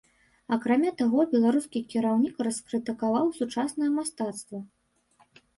Акрамя таго беларускі кіраўнік раскрытыкаваў сучаснае мастацтва.